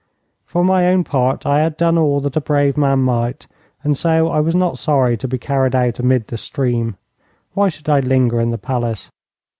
For my own part, I had done all that a brave man might, and so I was not sorry to be carried out amid the stream. Why should I linger in the palace?